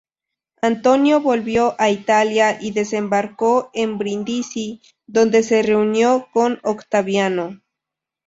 Antonio volvió a Italia y desembarcó en Brindisi, donde se reunió con Octaviano.